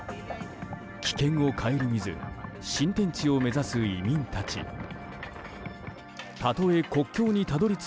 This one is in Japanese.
危険を顧みず新天地を目指す移民たち。